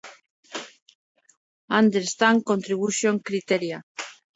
Más de un cuarto de la Tierra está cubierto por pastizales.